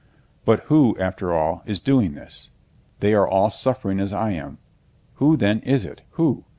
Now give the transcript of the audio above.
"But who, after all, is doing this? They are all suffering as I am. Who then is it? Who?"